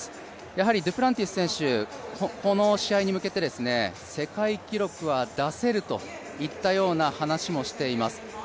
やはりデュプランティス選手、この試合に向けて、世界記録は出せるといったような話もしています。